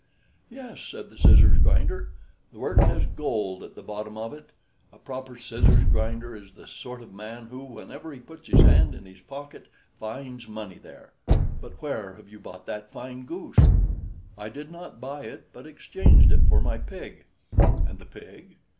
"Yes," said the scissors grinder; "the work has gold at the bottom of it. A proper scissors grinder is the sort of man who, whenever he puts his hand in his pocket, finds money there. But where have you bought that fine goose?" "I did not buy it, but exchanged it for my pig." "And the pig?"